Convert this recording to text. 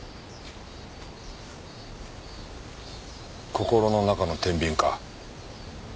心の中の天秤か。